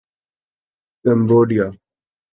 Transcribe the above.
Cambodia